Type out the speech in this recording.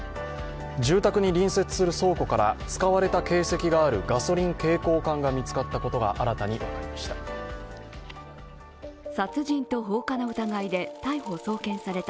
住宅に隣接する倉庫から、使われた形跡があるガソリン携行缶が見つかったことが新たに分かりました。